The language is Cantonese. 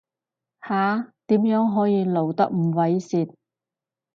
下，點樣可以露得唔猥褻